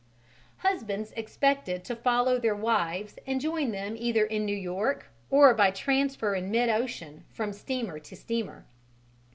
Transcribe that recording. Husbands expected to follow their wives and join them either in New York or by transfer in mid ocean from steamer to steamer.